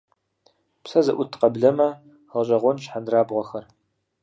Псэ зыӀут къэблэмэ гъэщӏэгъуэнщ хьэндырабгъуэхэр.